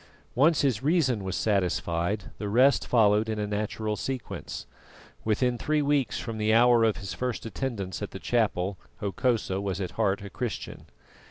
Once his reason was satisfied, the rest followed in a natural sequence. Within three weeks from the hour of his first attendance at the chapel Hokosa was at heart a Christian.